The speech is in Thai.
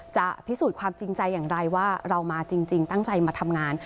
จะพิสูจน์ความจริงใจอย่างไรว่าเรามาจริงตั้งใจมาทำงาน